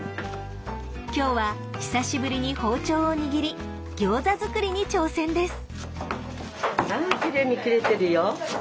今日は久しぶりに包丁を握りギョーザ作りに挑戦です。